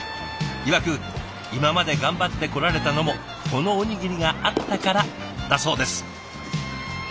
いわく「今まで頑張ってこられたのもこのおにぎりがあったから」だそうです。